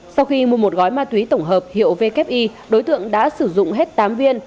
sau khi mua một gói ma túy tổng hợp hiệu vki đối tượng đã sử dụng hết tám viên